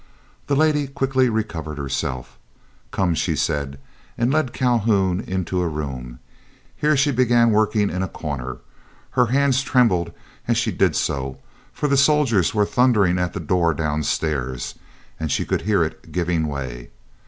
The lady quickly recovered herself. "Come!" she said, and led Calhoun into a room. Here she began working in a corner. Her hands trembled as she did so, for the soldiers were thundering at the door downstairs, and she could hear it giving way.